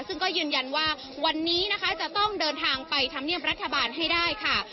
ซึ่งก็ยืนยันว่าวันนี้นะคะจะต้องเดินทางไปทำเนียบรัฐบาลให้ได้ค่ะ